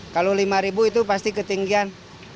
kalau rp lima itu pasti ketinggian